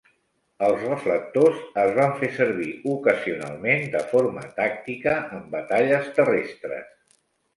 Els reflectors es van fer servir ocasionalment de forma tàctica en batalles terrestres.